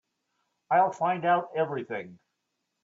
I'll find out everything.